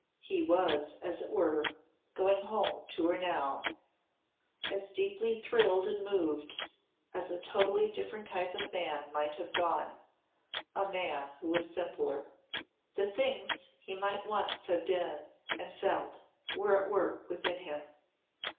He was, as it were, going home to her now, as deeply thrilled and moved as a totally different type of man might have gone a man who was simpler. The things he might once have been and felt were at work within him.